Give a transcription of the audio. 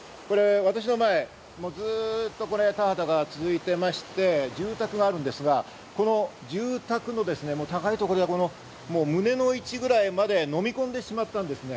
私の前、ずっと田畑が続いていまして、住宅があるんですが、住宅の高い所では胸の位置ぐらいまでのみ込んでしまったんですね。